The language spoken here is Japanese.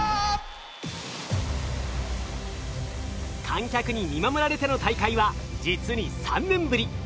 観客に見守られての大会は実に３年ぶり。